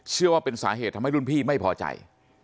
เชื่อว่าเป็นสาเหตุทำให้รุ่นพี่ไม่พอใจ